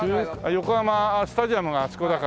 横浜スタジアムがあそこだから。